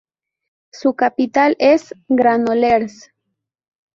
Su capital es Granollers.